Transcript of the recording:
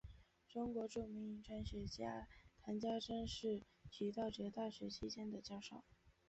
中国著名遗传学家谈家桢是徐道觉大学期间的教授。